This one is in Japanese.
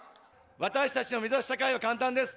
私たちの目指す社会は簡単です。